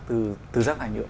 từ giác thải nhựa